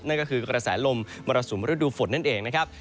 นั่นก็คือกระแสลมมรสุมฤดูฝนนั่นเองนะครับ